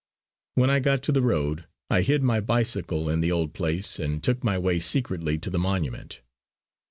When I got to the road I hid my bicycle in the old place, and took my way secretly to the monument.